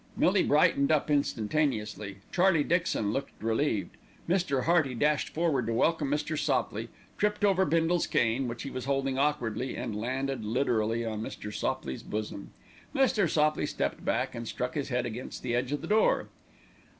Millie brightened up instantaneously, Charlie Dixon looked relieved. Mr. Hearty dashed forward to welcome Mr. Sopley, tripped over Bindle's cane, which he was holding awkwardly, and landed literally on Mr. Sopley's bosom. Mr. Sopley stepped back and struck his head against the edge of the door.